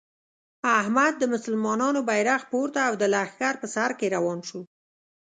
احمد د مسلمانانو بیرغ پورته او د لښکر په سر کې روان شو.